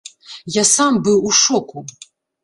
Я сам быў у шоку.